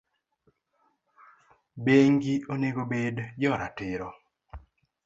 bengi onego bed jo ratiro.